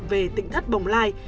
về tỉnh thất bồng lai